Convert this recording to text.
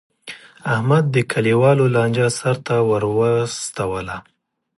احمد د کلیوالو لانجه سرته ور وستله.